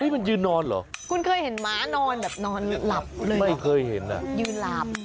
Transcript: มันยืนนอนเหรอคุณเคยเห็นหมานอนแบบนอนหลับเลยไม่เคยเห็นอ่ะยืนหลับ